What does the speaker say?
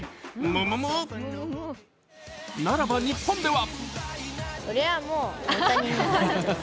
むむむならば、日本では？